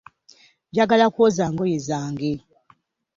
Njagala kwooza ngoye zange.